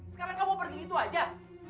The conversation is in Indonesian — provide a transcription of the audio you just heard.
sekarang kamu pergi gitu aja